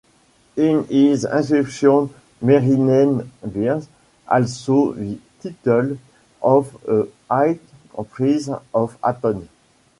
In his inscriptions Meryneith bears also the title of a high priest of Aton.